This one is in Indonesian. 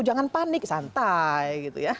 jangan panik santai